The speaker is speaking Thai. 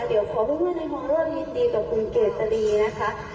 เดี๋ยวขอเพื่อนในมองรวมยินดีต่อคุณเกียรติฤทธิ์นะคะ